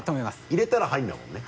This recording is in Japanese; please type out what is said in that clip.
入れたら入るんだもんね？